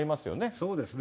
そうですね。